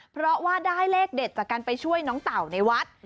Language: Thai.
เพราะว่าได้เลขเด็ดจากการไปช่วยน้องเต่าในวัด